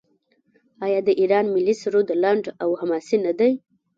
آیا د ایران ملي سرود لنډ او حماسي نه دی؟